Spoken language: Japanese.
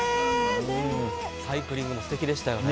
サイクリングも素敵でしたよね。